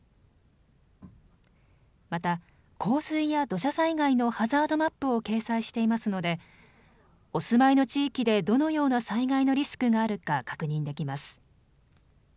また、洪水や土砂災害のハザードマップを掲載していますのでお住まいの地域でどのような災害のリスクがあるか確認できます。